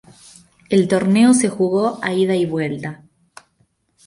El torneo se jugó a Ida y Vuelta.